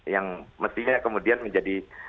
yang mestinya kemudian menjadi